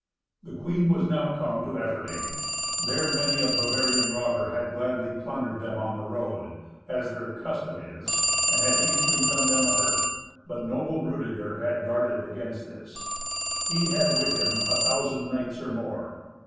The queen was now come to Efferding. There many a Bavarian robber had gladly plundered them on the road, as their custom is, and had easily done them a hurt. But noble Rudeger had guarded against this; he had with him a thousand knights or more.